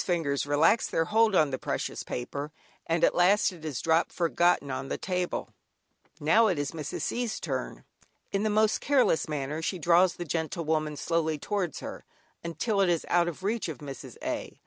fingers relax their hold on the precious paper, and at last it is dropped, forgotten, upon the table. Now it is Mrs. C's. turn. In the most careless manner she draws the "Gentlewoman" slowly towards her, until it is out of reach of Mrs. A.